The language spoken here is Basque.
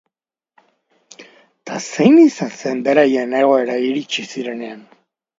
Zein izan zen beraien egoera iritsi zirenean?